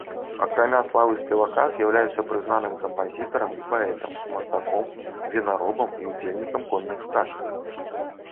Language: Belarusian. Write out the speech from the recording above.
Акрамя славы спевака, з'яўляецца прызнаным кампазітарам і паэтам, мастаком, вінаробам і ўдзельнікам конных скачак.